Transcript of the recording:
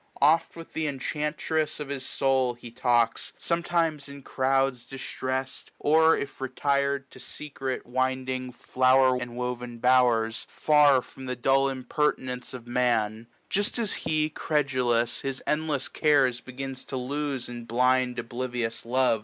Oft with th' enchantress of his soul he talks ; Sometimes in crouds distress'd; or if retired 1055 SPRINa To fecret winding flowcr enwoven bowers. Far from the dull impertinence of Man ; Just as he, credulous, his endlefs cares Begins to lose in Uind oblivious love.